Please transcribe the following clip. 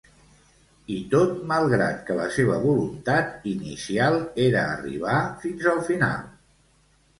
I tot malgrat que la seva voluntat inicial era arribar fins al final.